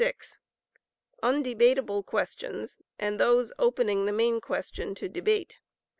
Undebatable Questions and those Opening the Main Question to Debate.